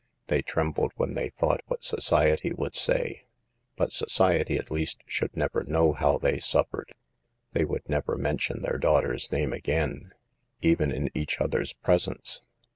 They trembled when they thought what society would say ; but society, at least, should never know how they suffered. They would never mention their daughter's name again, even in each other's presence.